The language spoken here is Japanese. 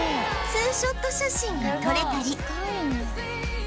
ツーショット写真が撮れたり